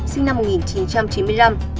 sinh năm một nghìn chín trăm chín mươi năm